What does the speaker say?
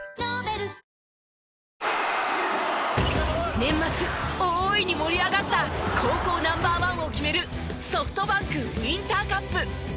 年末大いに盛り上がった高校ナンバー１を決めるＳｏｆｔＢａｎｋウインターカップ。